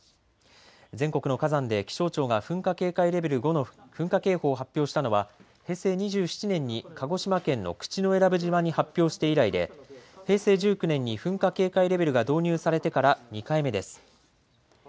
全国の火山で気象庁が噴火警戒レベル５の噴火警報を発表したのは平成２７年に鹿児島県の口永良部島に発表して以来で平成１９年に噴火警戒レベルが導入されてから２回目です。